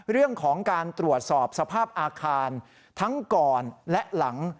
เรื่องของการตรวจสอบสภาพอาคารทั้งก่อนและหลัง